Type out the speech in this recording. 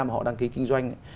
mà họ đăng ký kinh doanh